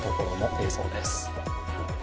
映像です。